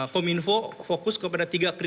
kominfo fokus kepada tiga